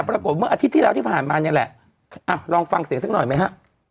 ปรากฏเมื่ออาทิตย์ที่แล้วที่ผ่านมาเนี่ยแหละลองฟังเสียงสักหน่อยไหมฮะ